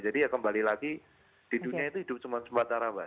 jadi ya kembali lagi di dunia itu hidup cuma sempat arah